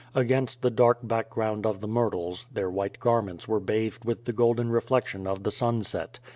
Against the dark background of the myrtles, their white garments were bathed with the golden reflection of the sunset.